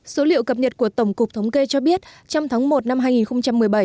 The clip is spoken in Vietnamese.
số liệu cập nhật của tổng cục thống kê cho biết trong tháng một năm hai nghìn một mươi bảy